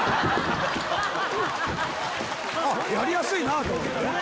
やりやすいな！と思って。